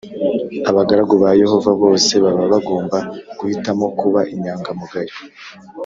abagaragu ba Yehova bose baba bagomba guhitamo kuba inyangamugayo